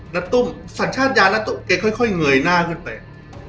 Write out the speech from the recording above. น่ะตุ้มสัญชาตยาน่ะตุ้มแกค่อยเงยหน้าขึ้นไปอ่า